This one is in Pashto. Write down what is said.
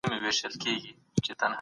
خلک باید مشوره له کارپوه واخلي.